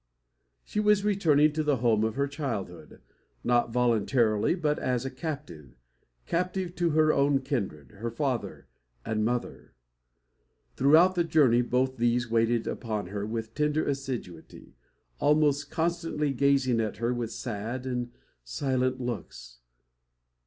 She was returning to the home of her childhood, not voluntarily, but as a captive captive to her own kindred, her father and mother! Throughout the journey both these waited upon her with tender assiduity, almost constantly gazing at her with sad and silent looks.